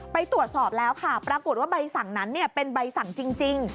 ไปตรวจสอบแล้วค่ะปรากฏว่าใบสั่งนั้นเป็นใบสั่งจริง